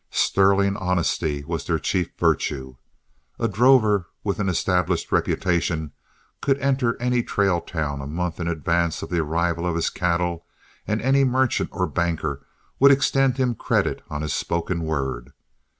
Sterling honesty was their chief virtue. A drover with an established reputation could enter any trail town a month in advance of the arrival of his cattle, and any merchant or banker would extend him credit on his spoken word.